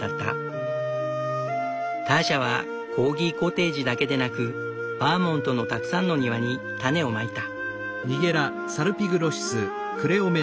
ターシャはコーギコテージだけでなくバーモントのたくさんの庭に種をまいた。